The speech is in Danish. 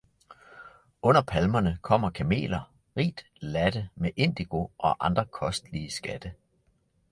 Under palmerne kommer kameler, rigt ladte med indigo og andre kostelige skatte.